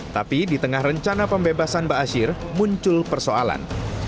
tapi di tengah rencana pembebasan ba'asyir muncul persoalan